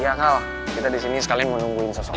iya kak al kita disini sekalian mau nungguin sosok lo